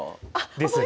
ですね。